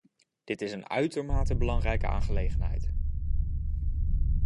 Dit is een uitermate belangrijke aangelegenheid.